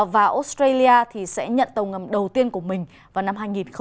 và australia sẽ nhận tàu ngầm đầu tiên của mình vào năm hai nghìn hai mươi